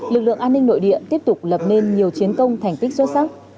lực lượng an ninh nội địa tiếp tục lập nên nhiều chiến công thành tích xuất sắc